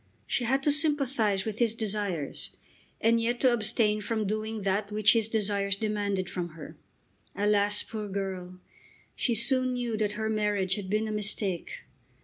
She had to sympathise with his desires and yet to abstain from doing that which his desires demanded from her. Alas, poor girl! She soon knew that her marriage had been a mistake.